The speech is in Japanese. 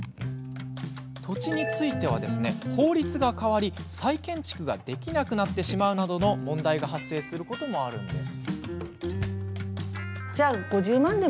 土地については、法律が変わり再建築ができなくなってしまうなどの問題が発生することもあるんです。